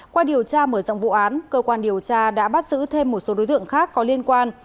qua điều tra mở rộng vụ án cơ quan điều tra đã bắt giữ thêm một số đối tượng khác có liên quan